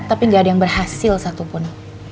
tapi gak ada yang berhasil satupun